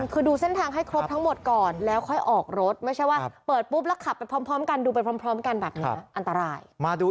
คือดูเส้นทางให้ครบทั้งหมดก่อนแล้วค่อยออกรถไม่ใช่ว่าเปิดปุ๊บแล้วขับไปพร้อมกันดูไปพร้อมกันแบบนี้อันตราย